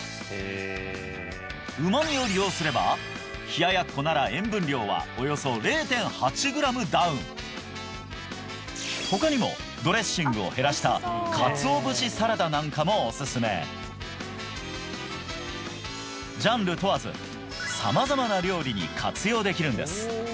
旨味を利用すれば冷ややっこなら塩分量はおよそ０．８グラムダウン他にもドレッシングを減らしたかつお節サラダなんかもおすすめジャンル問わず様々な料理に活用できるんです